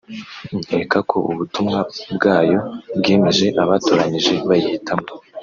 nkeka ko ubutumwa bwayo bwemeje abatoranyije bayihitamo